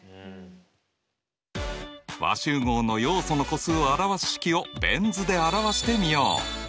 和集合の要素の個数を表す式をベン図で表してみよう。